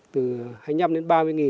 từ hai mươi năm đến ba mươi nghìn